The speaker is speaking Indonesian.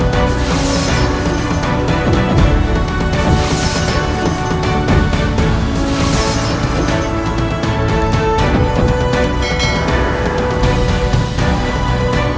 terima kasih bapak